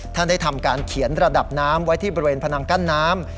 ท่านได้ทำการเขียนระดับน้ำไว้ที่บริเวณพนังกั้นน้ำ